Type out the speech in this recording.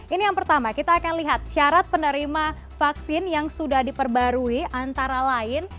ini yang pertama kita akan lihat syarat penerima vaksin yang sudah diperbarui antara lain